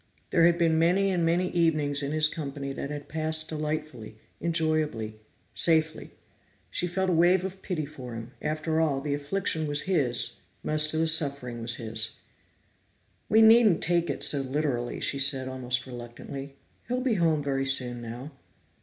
There had been many and many evenings in his company that had passed delightfully, enjoyably, safely. She felt a wave of pity for him; after all, the affliction was his, most of the suffering was his. "We needn't take it so literally," she said almost reluctantly. "He'll be home very soon now."